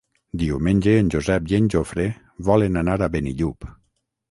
Diumenge en Josep i en Jofre volen anar a Benillup.